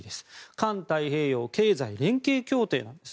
環太平洋経済連携協定です。